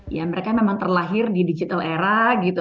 ya mereka memang terlahir di digital era gitu